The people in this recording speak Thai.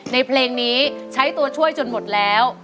เพลงนี้ใช้ตัวช่วยจนหมดแล้ว